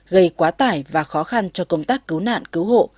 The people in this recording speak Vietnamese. gây quá tải và khó khăn cho công tác cứu nạn cứu hộ